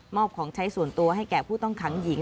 อบของใช้ส่วนตัวให้แก่ผู้ต้องขังหญิง